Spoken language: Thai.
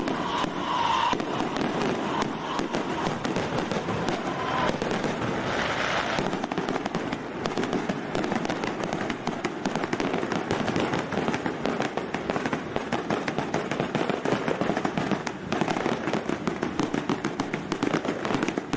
โอ้โอ้โหมันตกใจวิ่งข้ามถนนกันคือรถไปไม่ได้น่ะครับ